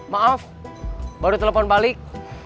maaf baru telepon balik